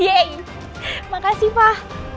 yeay makasih pak